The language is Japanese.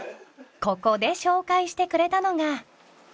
ここで紹介してくれたのが。